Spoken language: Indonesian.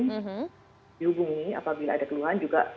dihubungi apabila ada keluhan juga